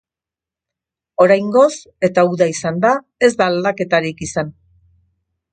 Oraingoz, eta uda izanda, ez da aldaketarik izan.